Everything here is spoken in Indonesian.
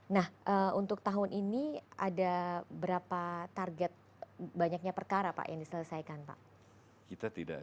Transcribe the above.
nah untuk tahun ini ada berapa target banyaknya perkara pak yang diselesaikan pak